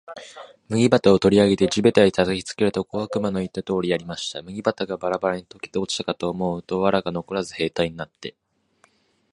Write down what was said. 麦束を取り上げて地べたへ叩きつけると、小悪魔の言った通りやりました。麦束がバラバラに解けて落ちたかと思うと、藁がのこらず兵隊になって、